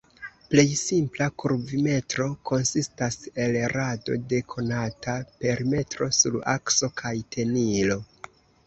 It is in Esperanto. Plej simpla kurvimetro konsistas el rado de konata perimetro sur akso kaj tenilo.